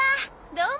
どうも。